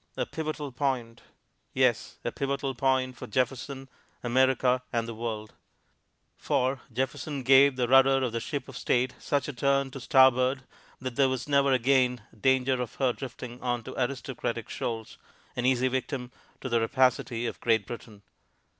A pivotal point! Yes, a pivotal point for Jefferson, America and the world; for Jefferson gave the rudder of the Ship of State such a turn to starboard that there was never again danger of her drifting on to aristocratic shoals, an easy victim to the rapacity of Great Britain.